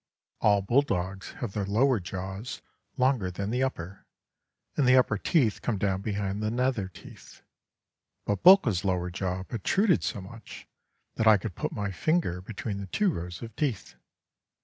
All bulldogs have their lower jaws longer than the upper, and the upper teeth come down behind the nether teeth, but Búlka's lower jaw protruded so much that I could put my finger between the two rows of teeth.